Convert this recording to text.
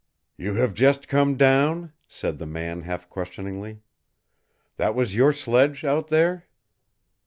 "You have just come down," said the man, half questioningly. "That was your sledge out there?"